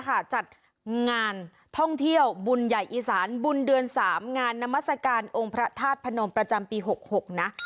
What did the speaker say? จัดงานท่องเที่ยวบุญใหญ่อีสานบุญเดือน๓งานนามัศกาลองค์พระธาตุพนมประจำปี๖๖นะ